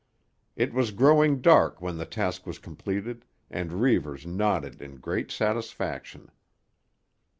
It was growing dark when the task was completed, and Reivers nodded in great satisfaction.